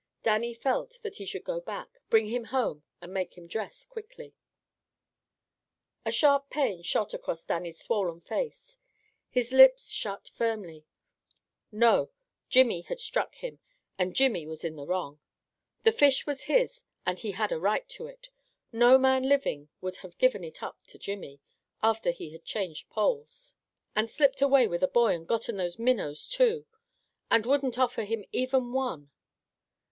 Dannie felt that he should go back, bring him home, and make him dress quickly. A sharp pain shot across Dannie's swollen face. His lips shut firmly. No! Jimmy had struck him. And Jimmy was in the wrong. The fish was his, and he had a right to it. No man living would have given it up to Jimmy, after he had changed poles. And slipped away with a boy and gotten those minnows, too! And wouldn't offer him even one.